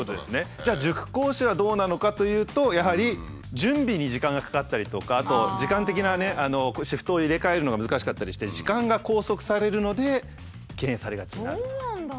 じゃあ塾講師はどうなのかというとやはり準備に時間がかかったりとかあと時間的なねシフトを入れ替えるのが難しかったりして時間が拘束されるので敬遠されがちになるということなんです。